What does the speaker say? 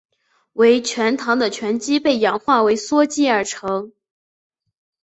为醛糖的醛基被氧化为羧基而成。